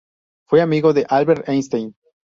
Fue amigo de Albert Einstein.